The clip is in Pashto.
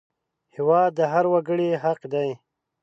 هېواد د هر وګړي حق دی